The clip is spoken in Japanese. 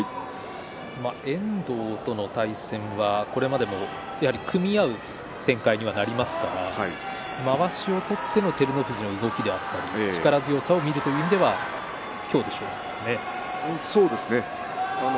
遠藤との対戦はこれまで組み合う展開にはなりますからまわしを取っての照ノ富士の動きであったり力強さを見るという意味では今日は見られますね。